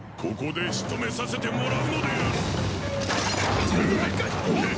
ここで仕留めさせてもらうのである。